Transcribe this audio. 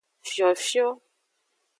Fionfion.